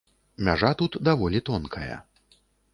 Мяжа тут даволі тонкая.